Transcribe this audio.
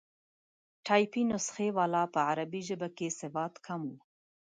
ټایپي نسخې والا په عربي ژبه کې سواد کم وو.